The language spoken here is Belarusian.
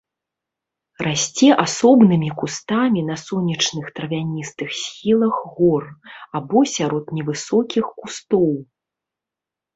Расце асобнымі кустамі на сонечных травяністых схілах гор або сярод невысокіх кустоў.